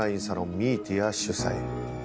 「ミーティア」主催。